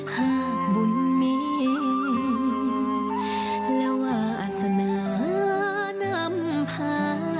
หากบุญมีและวาสนานำพา